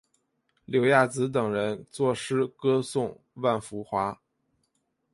柳亚子等人作诗歌颂万福华。